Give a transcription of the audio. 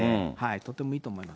とてもいいと思います。